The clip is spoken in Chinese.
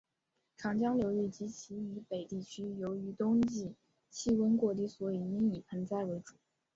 长江流域及其以北地区由于冬季气温过低所以应以盆栽为主。